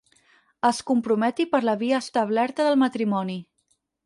Es comprometi per la via establerta del matrimoni.